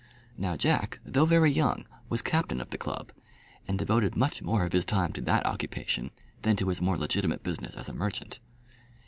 Now Jack, though very young, was captain of the club, and devoted much more of his time to that occupation than to his more legitimate business as a merchant.